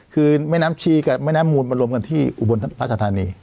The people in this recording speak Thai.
คือแม่น้ำชีกับแม่น้ำมูลมารวมกันที่อุบลราชธานี